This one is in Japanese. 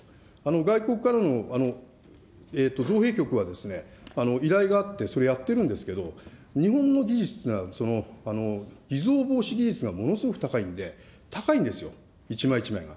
外国からの、造幣局は、依頼があって、それやってるんですけど、日本の技術というのは偽造防止技術がものすごく高いんで、高いんですよ、一枚一枚が。